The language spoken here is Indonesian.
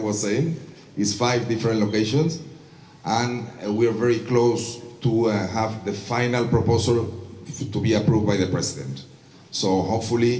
jadi semungkin sebelum natal sebelum musim selesai tahun